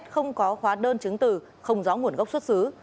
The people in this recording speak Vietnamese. không có hóa đơn chứng từ không rõ nguồn gốc xuất xứ